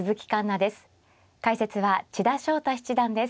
解説は千田翔太七段です。